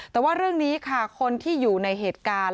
แต่ว่าเรื่องนี้ค่ะคนที่อยู่ในเหตุการณ์